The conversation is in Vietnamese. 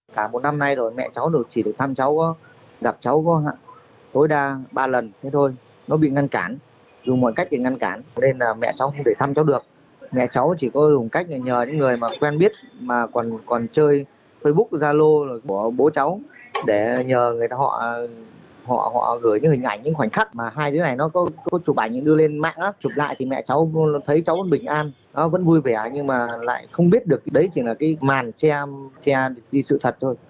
thấy cháu vẫn bình an vẫn vui vẻ nhưng lại không biết được đấy chỉ là cái màn che đi sự thật thôi